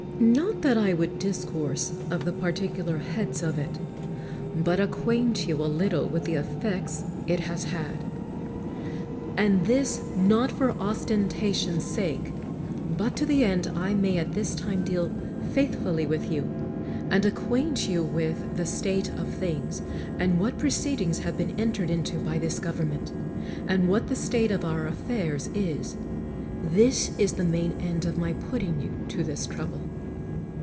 Xot that I would discourse of the particular heads of it, but acquaint you a little with the effects it has had: and this not for ostentation's sake, but to the end I may at this time deal faithfully with you, and acquaint you with the state of things, and what proceedings have been entered into by this government, and what the state of our affairs is. This is the main end of my put ting you to this trouble.